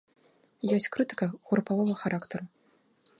Ёсць крытыка групавога характару.